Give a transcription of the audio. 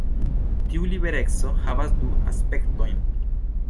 Tiu libereco havas du aspektojn.